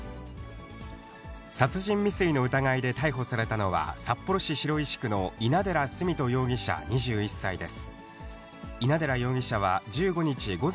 殺人未遂の疑いで逮捕されたのは、札幌市白石区の稲寺ふみと容疑者２１歳です。